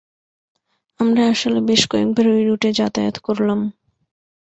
আমরা আসলে বেশ কয়েকবার ওই রুটে যাতায়াত করলাম।